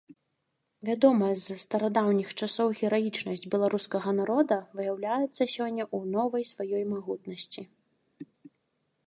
Вядомая з старадаўніх часоў гераічнасць беларускага народа выяўляецца сёння ў новай сваёй магутнасці.